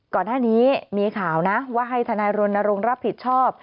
ก่อนหน้านี้มีข่าวนะว่าให้ทนายรณรงค์รับผิดชอบ